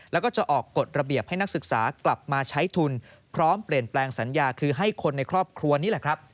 แล้วก็จะออกกฎระเบียบให้นักศึกษากลับมาใช้ทุนพร้อมเปลี่ยนแปลงสัญญาคือให้คนในครอบครัวนี่แหละครับ